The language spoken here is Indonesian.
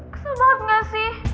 kesel banget gak sih